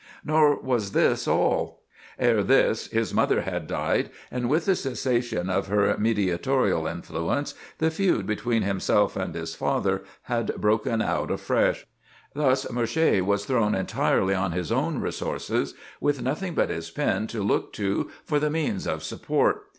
Nor was this all. Ere this his mother had died, and with the cessation of her mediatorial influence, the feud between himself and his father had broken out afresh. Thus Murger was thrown entirely on his own resources, with nothing but his pen to look to for the means of support.